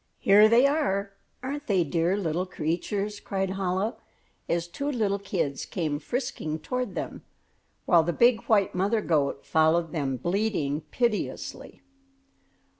"Here they are, aren't they dear little creatures?" cried Chola, as two little kids came frisking toward them, while the big white mother goat followed them bleating piteously.